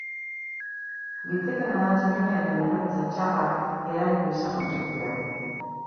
Litekeena da tximiniaren errekuntza txarrak eragin izana sutea.